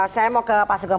saya mau ke pak sugeng